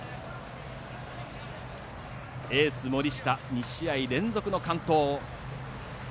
エース・森下、２試合連続の完投。